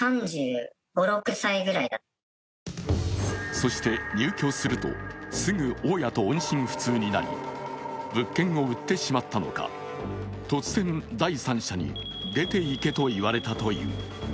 そして入居すると、すぐ大家と音信不通になり、物件を売ってしまったのか突然第三者に出て行けと言われたという。